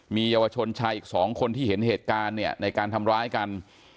มีเยาวชนชายอีก๒คนที่เห็นเหตุการณ์เนี่ยในการทำร้ายกัน